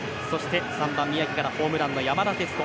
３番、宮城からホームランの山田哲人。